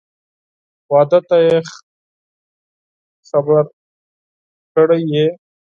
واده ته یې خبر کړی یې؟